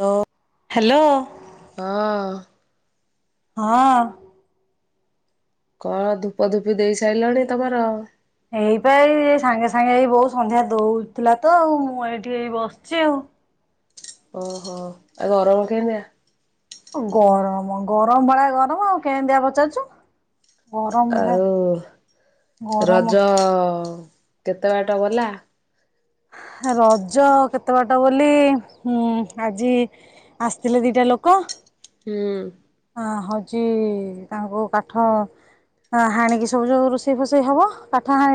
Hello hello. ହଁ। ହଁ। କଣ ଧୂପ ଧୂପି ଦେଇ ସାରିଲାଣି ତମର। ଏଇପାଇ ସାଙ୍ଗେ ସାଙ୍ଗେ ଏଇ ବୋଉ ସନ୍ଧ୍ୟା ଦଉଥିଲା ତ ଆଉ ମୁଁ ଏଇଠି ହେଇ ବସିଛି ଆଉ। ଓହୋ ଆ ଗରମ କେମିତି ଆ। ଗରମ ଗରମ ଭଳିଆ ଗରମ ଆଉ କେମତିଆ ପଚାରୁଚୁ। ଆଉ ଗରମ ରଜ ଅ କେତେ ବାଟ ଗଲା। ରଜ କେତେ ବାଟ ବୋଲି ଉଁ ଆଜି ଆସିଥିଲେ ଦିଟା ଲୋକ। ହୁଁ। ହଉଛି ତାଙ୍କୁ କାଠ ହାଣିକି ସବୁ ଯୋଉ ରୋଷେଇ ଫୋଷେଇ ହେବ।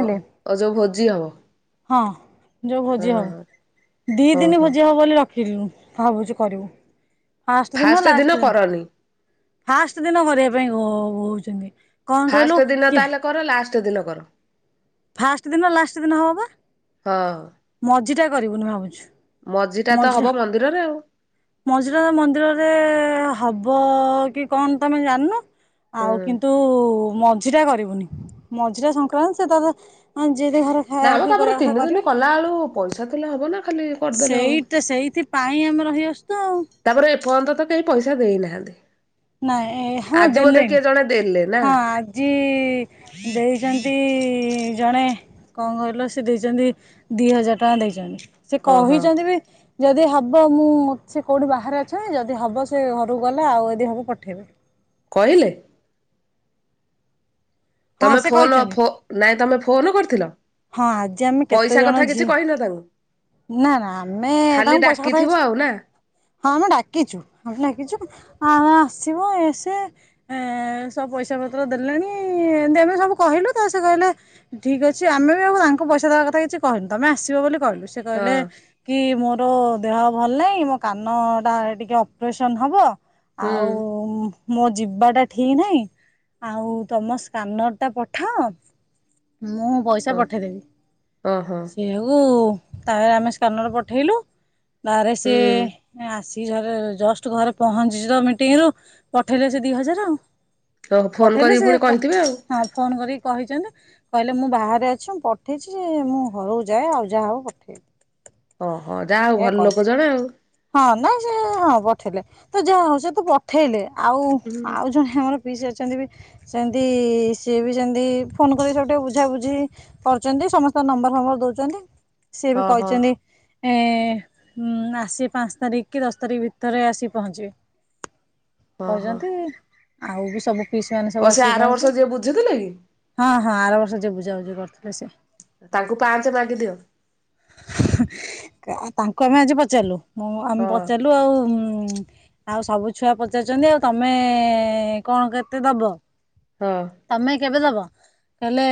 ଅ ଓ ଯୋଉ ଭୋଜି ହବ। ହଁ। ଯୋଉ ହଁ ଭୋଜି ହବ ଦି ହଁ ଦିନି ହଁ। ଭୋଜି ହବ ବୋଲି ରଖ କିଲୁ ଭାବୁଛି କରିବୁ। ଫାଷ୍ଟ ଦିନ କରନି। ଫାଷ୍ଟ ଦିନ କରିବା ପାଇଁ ହୋ ହଉଛନ୍ତି। କଣ କହିଲୁ ଫାଷ୍ଟ ଦିନ ତାହେଲେ କର ଲାଷ୍ଟ। ଦିନ କର ପାଷ୍ଟ ଦିନ ଲାଷ୍ଟ ଦିନ ହବ ବା। ହଁ ମଜିଟା କରିବୁନି ଭାବୁଛୁ। ତ ହବ ମଝିଟା ମନ୍ଦିରରେ ଆଉ ମଝିଟା ମନ୍ଦିରରେ। ହବ କି କଣ ତମେ ଜାଣିନ। ହୁଁ। ଆଉ କିନ୍ତୁ ମ ମଝିଟା କରିବୁନି ମଝିଟା ସଂକ୍ରାନ୍ତି ସେ ତ। ନା ଆମେ ତାପରେ ତିନି ଦିନ କଲା ବେଳୁ ପଇସା ଥିଲା ହବ ନା ଖାଲି। କରିଦେଲେ ହବ। ସେଇଟା ସେଇଥିପାଇ ଆମେ ରହିଆସୁ ତୁ ଆଉ। ତାପରେ ଏପର୍ଯ୍ୟନ୍ତ ତ କେହି ପଇସା ଦେଇନାହାନ୍ତି। ନାଇଁ ହଁ ଆଜି ବୋଧେ ଦେଲେଣି କିଏ ଜଣେ ଦେଲେ। ନା ହଁ ଆଜି ଦେଇଛନ୍ତି ଜଣେ। କଣ କହିଲ ସେ ଦେଇଛନ୍ତି ଦି ହଜାର ଟଙ୍କା ଦେଇଛନ୍ତି। ସେ ଓହୋ କହିଛନ୍ତି ବି। ଯଦି ହେବ ମୁଁ ସେ କେଉଁଠି ବାହାରେ ଅଛନ୍ତି ଯଦି ହେବ ସେ ଘରକୁ ଗଲା ଆଉ ଯଦି ହେବ ପଠାଇବେ। କହିଲେ ହଁ ତମେ ସେ ଫୋନ କହିଛନ୍ତି ଫୋ ନାଇଁ ତମେ ଫୋନ କରିଥିଲ। ହଁ ଆଜି ଆମେ କେତେ ପଇସା ଜଣ କଥା କିଛି ଝିଅ କହିନ ତାଙ୍କୁ ନା ନା ଆମେ ଖାଲି ତାଙ୍କୁ ପଇସା କଥା ଡାକିଥିବ କିଛି ଆଉ ନା ହଁ ଆମେ ଡାକିଛୁ ଆମେ ଡାକିଛୁ। ହଁ ଆସିବ ଇଏ ସିଏ ସବୁ ପଇସା ପତ୍ର ଦେଲେଣି ଏମତି ଏମେ ସବୁ କହିଲୁ ତା ସେ କହିଲେ ଠିକ୍ ଅଛି। ଆମେ ବି ଆଉ ତାଙ୍କୁ ପଇସା ଦେବା କଥା କିଛି କହିନୁ ତମେ ଆସିବ ବୋଲି। କହିଲୁ ସେ ହଁ କହିଲେ କି ମୋର। ଦେହ ଭଲ ନାହିଁ ମୋ କାନଟା ଟିକେ ଅପରେସନ ହବ। ହୁଁ ଆଉ ମୋ ଯିବାଟା ଠିକ ନାହିଁ ଆଉ ତମ ସ୍କାନର ଟା ପଠାଅ ମୁଁ ପଇସା ଓ ପଠାଇଦେବି ଓହୋ ସେଆକୁ ତାହଲେ ଆମେ ସ୍କାନର ପଠେଇଲୁହ ତାରେ ସିଏ ହୁଁ ଆ ଦ ଘରେ ଜଷ୍ଟ ଘରେ ପହଞ୍ଚି ତ ମିଟିଙ୍ଗ ରୁ ପଠେଇଲେ ସେ ଦି ହଜାର ଆଉ। ଓହୋ ଫୋନ ପଠେଇଲେ କରିକି ସେ ପୁଣି କହିଥିବେ ଆଉ ହଁ ଫୋନ କରି କହି କହିଲେ ମୁଁ ବାହା ଅଛି ମୁଁ ପଠେଇଛି ଯେ ମୁଁ ଘରକୁ ଯାଏ ଆଉ ଯାହା ହବ ପଠେଇବି। ହଁ। ଏୟା କହିଛୁ ହଁ ନାଇଁ ସେ ହଁ। ପଠଲେ ତ ଯାହା ହଉ ସେ ତୁ ପଠେଇଲେ। ଆଉ ହୁଁ ଆଉ ଜଣେ ଆମର ପିସୀ ଅଛନ୍ତି ବି ସେମତି ସିଏ ବି ସେମତି ଫୋନ କରି ସବୁ ଟିକେ ବୁଝାବୁଝି କରୁଛନ୍ତି ସମସ୍ତଙ୍କ ନମ୍ବର ଫମ୍ବର ଦେଉଚନ୍ତି। ସିଏ ବି ହଁ ହଁ କଇଚନ୍ତି। ଏ ଆସ ପାଞ୍ଚ ତାରିଖ୍ କି ଦଶ ତାରିଖ ଭିତରେ ଆସି ପହଞ୍ଚିବେ। ହଁ ହଁ କହିଛନ୍ତି। ଆଉ ବି ସବୁ ପିସ ମାନେ ଓ ସବୁ ସେ ଆସିକି ଆର ବର୍ଷ ପହଞ୍ଚିବେ ଯିଏ ବୁଝୁଥିଲେ କି ହଁ ହଁ ଆର ବର୍ଷ ଯିବୁ। ବଝାବୁଝି କରିୁଥିଲେ ସେ। ତାଙ୍କୁ ପାଞ୍ଚ ମାଗିଦିଅ। ତାଙ୍କୁ ଆମେ ଆଜି ପଚାରିଲୁ। ମୁଁ ଆମେ ହଁ ପଚାରିଲୁ ଆଉ ଆଉ ସବୁ ଛୁଆ ପଚାରୁଚନ୍ତି ଆଉ ତମେ କଣ କେତେ ଦବ। ହଁ ତମେ କେବେ ଦବ। କହିଲେ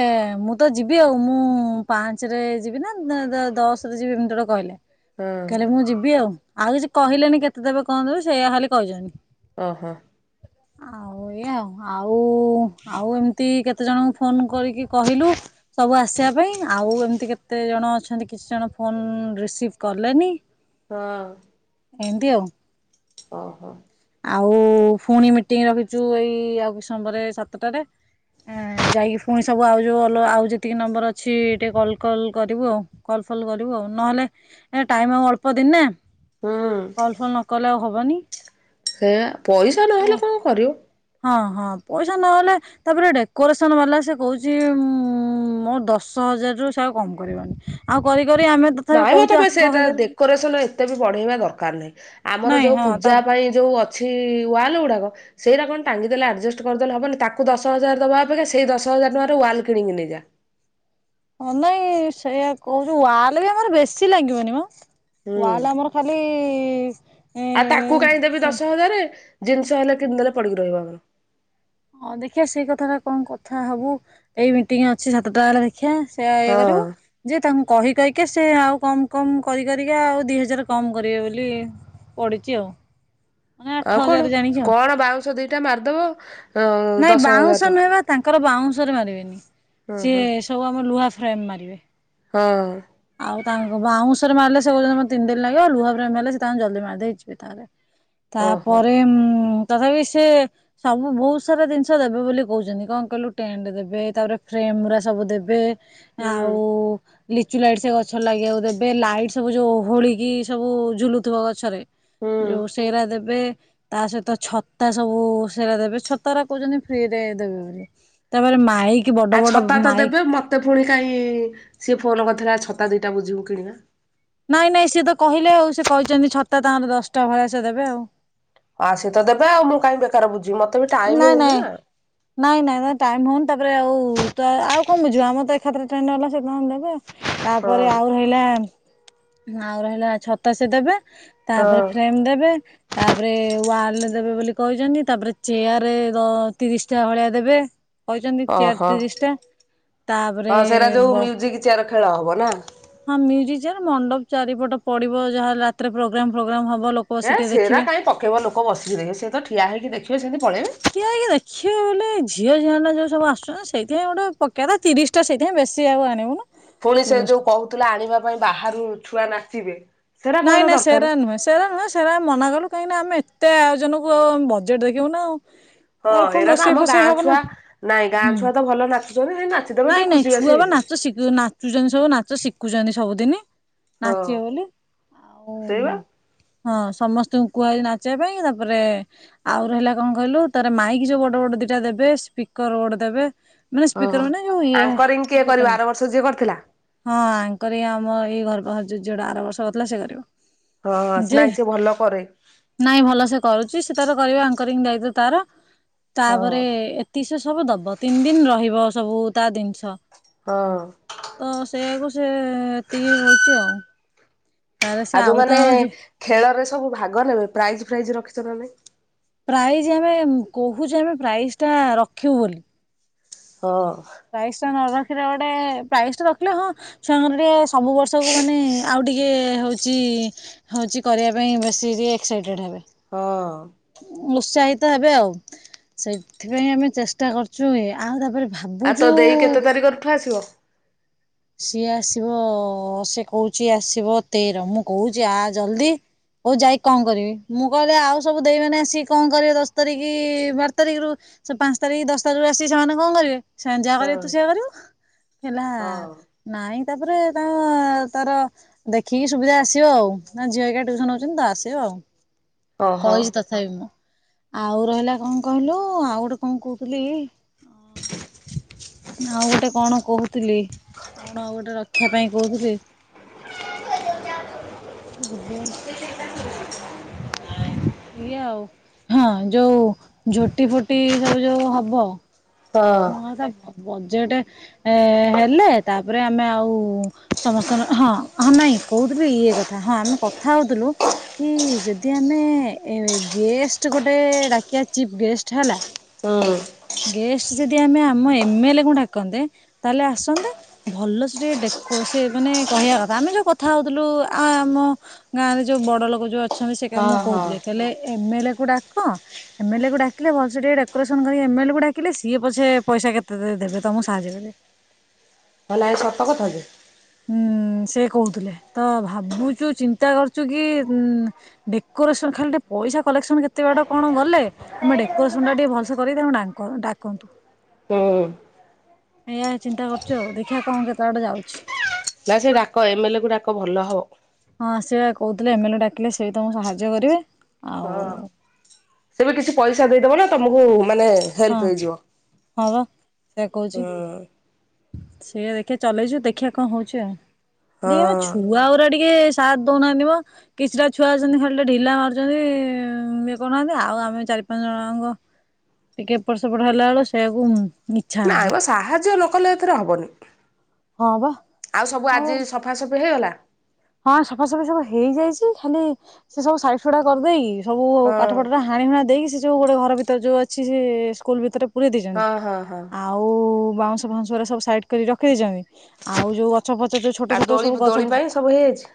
ମୁଁ ତ ଯିବି ଆଉ ମୁଁ ପାଞ୍ଚରେ ଯିବି ନା ଦଶରେ ଯିବି ଏମିତି ଗୋଟେ କହିଲେ। ହଁ କଇଲେ ମୁଁ ଯିବି ଆଉ। ଆଉ କିଛି କହିଲେନି କେତେ ଦେବେ କଂ ଦେବେ ସେଇୟା ଖାଲି କହିଚନ୍ତି। ଓ ହୋ। ଆଉ ଏଇ ଏୟା ଆଉ। ଓ ଆଉ ଏମିତି କେତେ। କେତେ ଜଣଙ୍କୁ ଫୋନ କରିକି କହିଲୁ ସବୁ ଆସିବା ପାଇଁ ଆଉ ଏମିତି କେତେ ଜଣ ଅଛନ୍ତି କିଛି ଜଣ ଫୋନ ରିସିଭ୍ କଲେନି। ହଁ। ଏନ୍ତିଆଉ। ଓ ହୋ। ଆଉ ପୁଣି ମିଟିଂ ରଖିଛୁ ଏଇ ଆଉ ସମୋବରେ ସାତଟାରେ ଯାଇକି ପୁଣି ସବୁ ଆଉ ଯେଉ ଅଲ ଆଉ ଯେତିକି ନମ୍ବର ଅଛି ଟିକେ କଲ୍ କଲ୍ କରିବୁ ଆଉ କଲ୍ ଫଲ୍ କରିବୁ ଆଉ ନହେଲେ ଏ ଟାଇମ ଅଳ୍ପ ଦିନ୍ ନା। ହୁଁ କଲ ଫଲ ନକଲେ ଆଉ ହବ ଵନି ସେ ପଇସା ନହେଲେ କଣ କରିବୁ। ହଁ ହଁ ପଇସା ନହେଲେ ତାପରେ ଡେକୋରେସନ୍ ବାଲା ସେ କହୁଛି ମୋ ଦଶ ହଜାରରୁ ସେ ଆଉ କମ କରିବନି ଆଉ କରି କରି ଆମେ ତଥାପି କହୁଚୁ ଟା ଡେକୋରେସନ ଏତେ ବି ବଢେଇବା ଦରକାର ନାହିଁ। ଆମର ନାଇଁ ଯୋଉ ହଁ ତା ପୂଜା ପାଇଁ ଯୋଉ ଅଛି ୱାଲ ଉଡ଼ାକ ସେଇରା କଣ ଟାଙ୍ଗି ଦେଲେ ଆଡ଼଼ଜଷ୍ଟ ତୁ କରିଦେଲେ ହବନି। ତାକୁ ଦଶ ହଜାର ଦବା ଅପେକ୍ଷା ସେଇ ଦଶ ହଜାର ଟଙ୍କାର ୱାଲ କିଣିକି ନେଇଯା। ହଁ ନାଇଁ ସେୟା କହୁଚୁ ୱାଲେ ବି ଆମର ବେଶୀ ଲାଗିବନି ମ। ହୁଁ ୱାଲ୍ ଆମର ଖାଲି ଇସ୍ ଆଉ ତାକୁ କାହିଁ ଦେବି ଦଶ ହଜାରେ ଜିନିଷ ହେଲେ କିଣି ଦେଲେ ପଡିକି ରହିବ ଆମର। ହଁ ଦେଖିଆ ସେଇ କଥାଟା କଣ କଥା ହବୁ ଏଇ ମିଟିଂ ଅଛି ସାତଟା ଏଳେ ଖିଆ ସେ ଇଏ କରିବୁ ହଁ ଯେ ତାଙ୍ କହି କହିକା ସେ ଆଉ କମ କମ କରି କରିକା ଆଉ ଦି ହଜାର କମ କରିବେ ବୋଲି ପଡ଼ିଚି ଆଉ। ମାନେ ଆଠ ଆଉ କଣ ହଜାର ଜାଣିକି ଆଉ କଣ ବାଉଁଶ ଦିଟା ମାରିଦବ ଅ ନାଇଁ ଦଶ ହଜାର ବାଉଁଶ ଟଙ୍କା ନୁହେଁ ବା ତାଙ୍କର ବାଉଁଶରେ ମାରିବେନି ହଁ ସିଏ ହଁ ସବୁ ଆମ ଲୁହା ଫ୍ରେମ ମାରିବେ। ହଁ। ଆଉ ତାଙ୍କୁ ବାଉଁଶରେ ମାରିଲେ ସେ କୋହୁଚନ୍ତି ମତେ ତିନି ଦିନ ଲାଗିବ ଲୁହା ଫ୍ରେମ ହେଲେ ସେ ତାଙ୍କ ଜଲଦି ମାରିଦେଇକି ଯିବେ ତାରେ। ଓହୋ ତାପରେ ମୁଁ ତଥାପି ସେ ସବୁ ବୋହୁତ ସାରା ଜିନିଷ ଦେବେ ବୋଲି କୋହୁଚନ୍ତି କଣ କହିଲୁ ଟେଣ୍ଟ ଦେବେ ତାପରେ ଫ୍ରେମଗୁରା ସବୁ ଦେବେ ହୁଁ ଆଉ ଲିଚୁ ଲାଇଟ୍ ସେ ଗଛ ଲାଗିବାକୁ ଦେବେ ଲାଇଟ୍ ସବୁ ଯୋଉ ଓହୋଳିକି ସବୁ ଝୁଲୁଥୁବ ଗଛରେ ହୁଁ। ଯୋଉ ସେଇରା ଦେବେ ତା ସହିତ ଛତା ସବୁ ସେରା ଦେବେ ଛ ତରା କୋହୁଚନ୍ତି ଫ୍ରିରେ ଦେବେ ବୋଲି। ତାପରେ ମାଇ ଆ ଛତା ତ ଦେବେ ମତେ ଫୁଣି କାହିଁ ସିଏ ଫୋନ କରିଥିଲା ଛ ତା ଦିଟା ବୁଝିବୁ କିଣବା ନାଇଁ ନାଇଁ ସିଏ ତ କହିଲେ ଆଉ ସେ କହିଚନ୍ତି ଛତା ତାଙ୍କର ଦଶଟା ଭଳିଆ ସେ ଦେବେ ଆଉ। ଆ ସିଏ ତ ଦେବେ ଆଉ ମୁଁ କାଇଁ ବେକାର ବୁଝିମି ମ ତାପରେ ଟାଇମ ନାଇଁ ହୋଉନି ନାଁ ନାଇଁ ନାଇଁ ନାଇଁ ଟାଇମ ହୋଉନି ତାପରେ ଆଉ ତ ଆଉ କଣ ବୁଝିବ ଆମର ତ ଏକାଥରେ ଟେଣ୍ଟ୍ ହେଲା ସେ ତାଙ୍କର ଦେବେ। ହଁ ତାପରେ ଆଉ ରହିଲା। ଆଉ ରହିଲା ଛତା ସେ ଦେବେ। ତାପରେ ହଁ। ଫ୍ରେମ ଦେବେ। ତାପରେ ୱାଲ ଦେବେ ବୋଲି କହିଚନ୍ତି। ତାପରେ ଚେୟାର ଦ ତିରିଶଟା ଭଳିଆ ଦେବେ। କହିଚନ୍ତି ଚେୟାର ଓହୋ ତିରିଶଟା ତାପରେ ହଁ ସେଇଟା ଯୋଉ ବ ମ୍ୟୁଜିକ ଚେୟାର ଖେଳ ହେବ ନା ହଁ ମ୍ୟୁଜିକ ଚେୟାର ମଣ୍ଡପ ଚାରିପଟ ପଡିବ ଯାହା ରାତିରେ ପ୍ରୋଗ୍ରାମ ଫୋଗ୍ରାମ ହବ। ଲୋକ ବସି ହେଁ ଟିକେ ସେରା ଦେଖିବେ କାଇଁ ପକେଇବ ଲୋକ ବସିକି ଦେଖିବେ, ସେ ତ ଠିଆ ହେଇକି ଦେଖିବେ ସେମିତି ପଳେଇବେ। ଠିଆ ହେଇକି ଦେଖିବା ବେଲେ ଝିଅଝିଣ୍ଟା ଯୋଉ ମାନେ ସବୁ ଆସୁଚନ୍ତି ସେଥିପାଇଁ ଗୋଟେ ପକେଇବା କଥା ତିରିଶଟା ସିଟ୍ ସେଇଥିପାଇଁ ବେଶୀ ଆଉ ଆଣିବୁନୁ ପୁଣି ସେ ତିରିଶ ଯୋଉ ଟା କହୁଥିଲା ଆଣିବା ପାଇଁ ବାହାରୁ ଛୁଆ ନା ଯିବେ ନାଇଁ ନାଇଁ ସେରା ନୁହେଁ ସେରା ନୁହେଁ ସେରା ମନା କଲୁ କାହିଁକିନା ଆମେ ଏତେ ଆୟୋଜନକୁ ବଜେଟ୍ ଦେଖିବୁ ନା ଆଉ। ହଁ ତାର ପୁଣି ଏରା ତ ଆମ ରୋଷେଇ ଗାଁ ଫୋଷେଇ ହବ ନା ଛୁଆ ନାଇଁ ଗାଁ ହୁଁ ଛୁଆ ତ ଭଲ ନାଚୁଛନ୍ତି ହେଇ ନାଚିଦେବେ ଟିକେ ନାଇଁ ଖୁସି ନାଇଁ ବାସି ଛୁଆ ବା ହେଇଯିବ ନାଚ ଶିଖୁ ନାଚୁଛନ୍ତି ସବୁ ନାଚ ଶିଖୁଛନ୍ତି। ସବୁଦିନି ହଁ ନାଚେ ବୋଲି। ସେଇବା ହଁ ସମସ୍ତଙ୍କୁ କୁହାଯାଇଛି ନାଚିବା ପାଇଁ ତାପରେ ଆଉ ରହିଲା କଣ କହିଲୁ ତାର ମାଇକ ଯୋଉ ଗୋଟେ ଗୋଟେ ଦିଟା ଦେବେ ସ୍ପିକର ଗୋଟେ ଦେବେ ମାନେ ଓହୋ ସ୍ପିକର ମାନେ ଯୋଉ ଇଏ ଆଙ୍କରିଂ କିଏ କରିବ କହ ଆର ବର୍ଷ ଯିଏ କରିଥିଲା ହଁ ୟାଙ୍କରି ଆମ ଇଏ ଆମ ଏଇ ଘର ପାଖରୁ ଯୋଉ ଝିଅ ଟା ଆର ବର୍ଷ ନା ସେ ହଁ କରିବ। ଯେ ନାଇଁ ସେ ଭଲ କରେ। ନାଇଁ ଭଲ ସେ କରୁଛି ସେ ତାର କରିବା। ଙ୍କରିଙ୍ଗ ଦାୟିତ୍ୱ ତାର- ହଁ ତାପରେ ଏତି ସେ ସବୁ ଦବ ତିନି ଦିନ ରହିବ। ସବୁ ତା ଜିନିଷ ହଁ। ତ ସେୟାକୁ ସେ ଏତିକି ହଉଛି ଆଉ। ତାର ସେ ଆଉ ଯୋଉମାନେ ତାର ଯୋଉ ଖେଳରେ ସବୁ ଭାଗ ନେବେ ପ୍ରାଇଜ ଫ୍ରାଇଜ୍ ରଖିଛ ନା ନାଇଁ? ପ୍ରାଇଜ ଆମେ କହୁଛେ ଆମେ ପ୍ରାଇଜ ଟା ରଖିବୁ ବୋଲି। ହଁ ପ୍ରାଇଜ ଟା ନ ରଖ୍ ସେଷର ଗୋଟେ ପ୍ରାଇଜ୍ ଟା ରଖିଲେ ହଁ ଛୁଆଙ୍କର ଟିକେ ସବୁ ବର୍ଷକୁ ମାନେ ଆଉ ଟିକେ ହଉଛି ହଉଛି କରିବା ପାଇଁ ବେଶୀ ଟିକେ ଏକ୍ସାଇଟେଡ଼୍ ହେବେ। ହଁ [unintelligible] ଉତ୍ସାହିତ ହେବେ ଆଉ ସେଇଥିପାଇଁ ଆମେ ଚେଷ୍ଟା କରୁଛୁ ଆଉ ତାପରେ ଆଉ ଭାବୁଛୁ ତୋ ଦେଇ କେତେ ତାରିଖଠୁ ଆସିବ ସିଏ ଆସିବ ସେ କହୁଛି ଆସିବ ତେର ମୁଁ କହୁଛି ଆ ଜଲଦି ହଉ ଯାଇକି କଣ କରିବି ମୁଁ କହିଲେ ଆଉ ସବୁ ଦେଇ ମାନେ ଆସି କଣ କରିବେ ଦଶ ତାରିଖ କି ବାର ତାରିଖରୁ ପାଞ୍ଚ ତାରିଖ ଦଶ ତାରିଖରୁ ଆସିକି ସେମାନେ କଣ କରିବେ ସେମାନେ ଯାହା ହଁ କରିବେ ତୁ ସେଇଆ କରିବୁ ହେଲା ହଁ। ନାଇଁ ତାପରେ ତା ତାର ଓହୋ। କହିଛି ତଥାପି ଆଉ ରହିଲା କଣ କହିଲୁ ଆଉ ଗୋଟେ କଣ କହୁଥିଲି [unintelligible] ଆଉ ଗୋଟେ କଣ କହୁଥିଲି କଣ ଆଉ ଗୋଟେ ରକ୍ଷା ପାଇଁ କହୁଥିଲି [inaudible] [unintelligible] ଇଏ ଆଉ ହଁ ଯୋଉ ଝୋଟି ହଁ [unintelligible] ବଜେଟ ହେଲେ ତା ହୁଁ ଗେଷ୍ଟ ଯଦି ଆମେ ଆମ ଏମଏଲ କୁ ଡାକନ୍ତେ ତାହେଲେ ଆସନ୍ତେ ଭଲ ପ୍ରମେ ସେ ହଁ ମୁଁ ହଁ କହୁଥିଲେ କହଲେ ଏମଏଲେ କୁ ଡାକ ଏମଏଲ୍ କୁ ଡାକିଲେ ଭଲ ଟିକେ ଡେକୋରେସନ କରି ଏମଏଲେ କୁ ଡାକିଲେ ସିଏ ପଛେ ପଇସା କେତେ ଦେବେ ତମକୁ ସାହାଯ୍ୟ କରିବେ [inaudible] ଇଏ ସତ କଥା ଯେ ହଁ ସେ କହୁଥିଲେ ତ ଭାବୁଛୁ ଚିନ୍ତା କରୁଛୁ କି ଉ ଡେକୋରେସନ ଖାଲି ଟେ ପଇସା କଲେକ୍ସନ କେତେ ବାଟ କଣ ଗଲେ ଆମେ ଡେକୋରେସନ ଟା ଟିକେ ଭଲସେ କରିକି ଡାକନ୍ତୁ ହୁଁ ନା ସେ ଡାକ ଏମଏଲ କୁ ଡାକ ଭଲ ହବ।। ହଁ ସେ କହୁଥିଲେ ଏମଏଲ୍ଏ ଡାକିଲେ ସେ ବି ତମକୁ ସାହାଯ୍ୟ କରିବେ ହଁ ଆଉ ସେ ବି କିଛି ପଇସା ଦେଇଦବ ଲୋ ତମକୁ ମାନେ ହଁ ହେଲ୍ପ ହେଇଯିବ ହଁ ଵା।। ହୁଁ।। ସେଇଆା ଦେଖି ଚଲେଇଛୁ ଦେଖିବାଆ କଣ ହଉଛି ଆଉ [inaudible] ହଁ। ଛୁଆ ଗୁରା ଟିକେ ସାଥ ଦଉନାହାନ୍ତି ମ କିଛିଟା ଛୁଆ ଅଛନ୍ତି ଖାଲି ଢିଲା ମାରୁଛନ୍ତି ଇଏ କରୁନାହାନ୍ତି ଆଉ ଆମେ ଚାରି ପାଞ୍ଚ ଜଣଙ୍କ ଟିକେ ଏପଟ ସେପଟ ହେଲା ବେଳ ସେଆକୁ ନାଇଁମ ସାହାଯ୍ୟ ଲୋକ ନ କଲେ ଏଥରେ ହେବନି।। ହଁ ବା ଆଉ ସବୁ ଆଜି ସଫାସଫି ହେଇଗଲା।। ହଁ ସଫାସଫି ସବୁ ହେଇଯାଇଛି ଖାଲି ସେ ସବୁ ସାଇଜିସୁଡା କରିଦେଇକି ସବୁ ହଁ କାଠଫଟୋ ହାଣି ହୁଣା ଦେଇକି ସୁ ଯୋଉ ଗୋଟେ ଘର ଭିତରେ ଯୋଉ ଅଛି ସେ ସ୍କୁଲ ଭିତରେ ପୁରେଇ ଦେଇଛନ୍ତି ହଁ ହଁ ହଁ। ଆଉ ବାଉଁଶ ଫାଉଁଶରେ ସବୁ ସାଇଡ କରି ରଖି ଦେଇଛନ୍ତି। ଆଉ ଯୋଉ ଗଛ ଫଛ ଯୋଉ ଆ ଛୋଟ ଛୋଟ ଦୋଳି ସବୁ ଦୋଳି ଗଛ ଫଛ ପାଇଁ ସବୁ ହେଇଯାଇଛି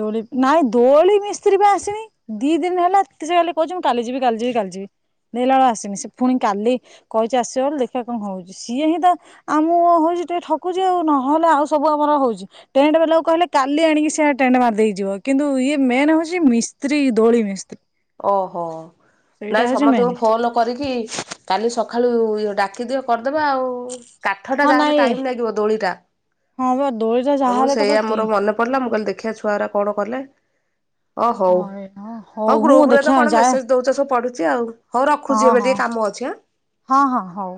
ଦୋଳି ନାଇଁ ଦୋଳି ମିସ୍ତ୍ରୀ ବା ଆସିନି ଦି ଦିନ ହେଲା ସେ ଖାଲି କହୁଛି ମୁଁ କାଲି ଯିବି କାଲି ଯିବି କାଲି ଯିବି ଦେଖିଲା ବେଳୁ ଆସିନି ସେ ପୁଣି କାଲି କହିଛି ଆସିବ ବୋଲି ଦେଖିଆ କଣ ହଉଛି ସିଏ ହିଁ ତ ଆମୁକୁ ହଉଛି ଟିକେ ଠକୁଛି ଆଉ ନହେଲେ ଆଉ ସବୁ ଆମର ହଉଛି ଟେଣ୍ଟ ବେଲାକୁ କହିଲେ କାଲି ଆଣିକି ସେ ଟେଣ୍ଡ ମାରିଦେଇଯିବ କିନ୍ତୁ ଇଏ ମେନ୍ ହଉଛି ମିସ୍ତ୍ରୀ ଦୋଳି ମିସ୍ତ୍ରୀ। ଓ ହୋ ସେଇଟା ନାଇଁ ହଉଛି ସମସ୍ତଙ୍କୁ ମେନ୍ ଫୋନ କରିକି କାଲି ସକାଳୁ ଇ ଡା ଡାକି ଦିଅ କରିଦବା ଆଉ। କାଠ ଟା ହଁ ଯାହାହେଲେ ନାଇଁ ଟାଇମ୍ ଲାଗିବ ଦୋଳିଟା ହଁ ବା ଦୋଳିଟା ମୁଁ ଯାହାହେଲେ ତାପରେ ସେଇୟା ତି ମୋର ମନେ ପଡିଲା ମୁଁ କହିଲ ଦେଖ ଖିଆ ଛୁଆ ଗୁରା କଣ କଲେ? ହଁ ହଉ ମୁଁ ଗ୍ରୁପ ରେ ତ ଦେଖିବା କଣ ଯାଏ ମେସେଜ ଦଉଛ ସବୁ ପଢୁଛି ଆଉ ହଉ ହଁ ରଖୁଛି ଏବେ ହଁ ଟିକେ କାମ ଅଛି ଏଁ। ହଁ ହଁ ହଉ।